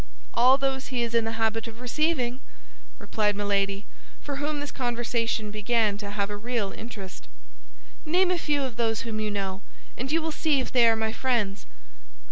"All those he is in the habit of receiving!" replied Milady, for whom this conversation began to have a real interest. "Name a few of those whom you know, and you will see if they are my friends."